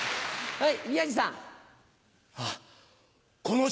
はい。